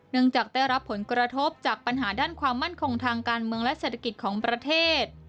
จากได้รับผลกระทบจากปัญหาด้านความมั่นคงทางการเมืองและเศรษฐกิจของประเทศ